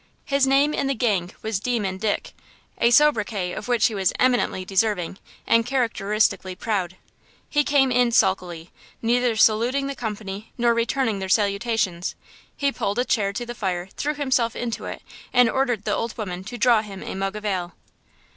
His name in the gang was Demon Dick, a sobriquet of which he was eminently deserving and characteristically proud. He came in sulkily, neither saluting the company nor returning their salutations. He pulled a chair to the fire, threw himself into it, and ordered the old woman to draw him a mug of ale.